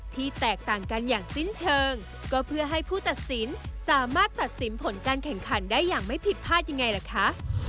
แตกต่างกันอย่างสิ้นเชิงก็เพื่อให้ผู้ตัดสินสามารถตัดสินผลการแข่งขันได้อย่างไม่ผิดพลาดยังไงล่ะคะ